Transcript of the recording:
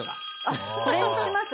あっこれにします